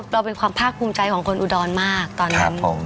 เราเป็นความภาคภูมิใจของคนอุดรมากตอนนั้นงง